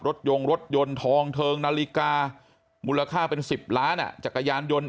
ยงรถยนต์ทองเทิงนาฬิกามูลค่าเป็น๑๐ล้านจักรยานยนต์